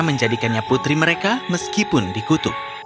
menjadikannya putri mereka meskipun dikutuk